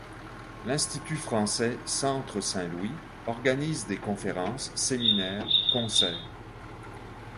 L'Institut français - Centre Saint-Louis organise des conférences, séminaires, concerts.